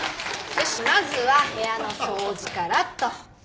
よしまずは部屋の掃除からっと。